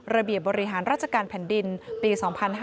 เบียบบริหารราชการแผ่นดินปี๒๕๕๙